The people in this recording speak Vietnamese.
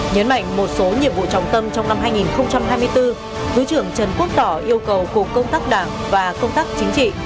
nhấn mạnh một số nhiệm vụ trọng tâm trong năm hai nghìn hai mươi bốn thứ trưởng trần quốc tỏ yêu cầu cục công tác đảng và công tác chính trị